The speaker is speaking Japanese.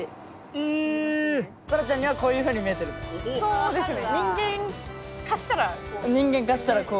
そうですよね。